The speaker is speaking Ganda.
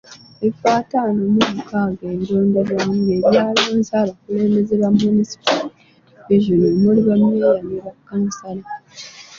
Ebifo ataano mu mukaaga ebironderwamu bye byalonze abakulembeze ba munisipaali ne divizoni omuli bammeeya ne bakkansala.